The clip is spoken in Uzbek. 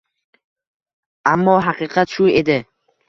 Ammo haqiqat shu edi.